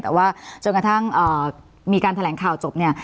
แต่ว่าจนกระทั่งมีการแถลงข่าวจบเนี่ย